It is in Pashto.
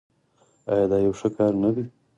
آیا دا یو ښه کار نه دی؟